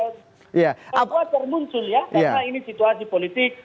apa termuncul ya karena ini situasi politik